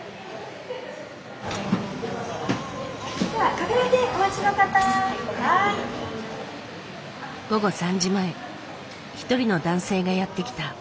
午後３時前一人の男性がやって来た。